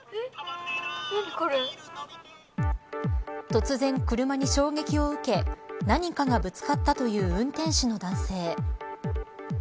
突然車に衝撃を受け何かがぶつかったという運転手の男性。